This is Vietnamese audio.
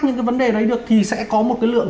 những cái vấn đề đấy được thì sẽ có một cái lượng